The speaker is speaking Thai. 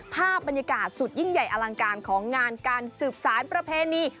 ภาพบรรยากาศสุดยิ่งใหญ่อลังการของงานการสืบสารประเพณี